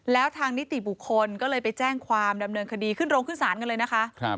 แล้วทางนิติบุคคลก็เลยไปแจ้งความดำเนินคดีขึ้นโรงขึ้นศาลกันเลยนะคะ